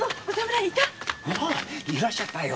いらっしゃったよ。